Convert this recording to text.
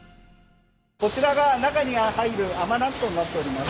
こちらが中に入る甘納豆になっております。